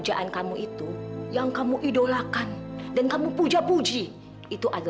dia menengah dengan saya